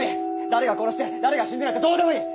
誰が殺して誰が死んでなんてどうでもいい！